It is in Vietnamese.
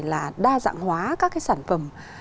là đa dạng hóa các sản phẩm